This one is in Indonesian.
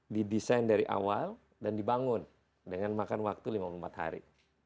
didesain dari awal dan dibangun dengan makan waktu lima puluh empat hari